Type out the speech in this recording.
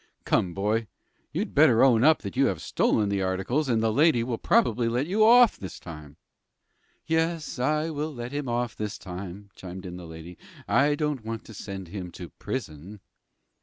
"Come, boy, you'd better own up that you have stolen the articles, and the lady will probably let you off this time." "Yes, I will let him off this time," chimed in the lady. "I don't want to send him to prison."